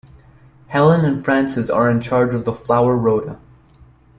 Helen and Frances are in charge of the flower rota